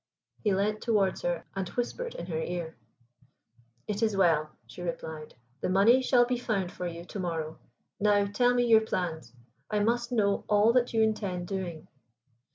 He leant towards her and whispered in her ear. "It is well," she replied. "The money shall be found for you to morrow. Now tell me your plans; I must know all that you intend doing."